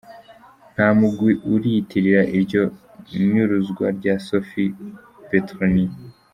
Nta mugwi uriyitirira iryo nyuruzwa rya Sophie Petronin.